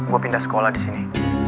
gue pindah sekolah di sini